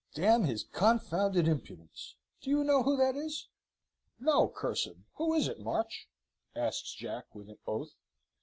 D his confounded impudence do you know who that is?" "No, curse him! Who is it, March?" asks Jack, with an oath.